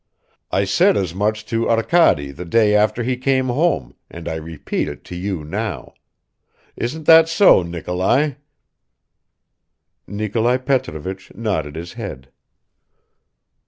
I said as much to Arkady the day after he came home, and I repeat it to you now. Isn't that so, Nikolai?" Nikolai Petrovich nodded his head.